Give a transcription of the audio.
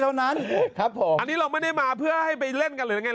เท่านั้นครับผมอันนี้เราไม่ได้มาเพื่อให้ไปเล่นกันหรือยังไง